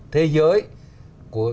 thế giới của